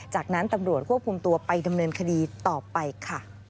จากนั้นตำรวจควบคุมตัวไปดำเนินคดีต่อไปค่ะ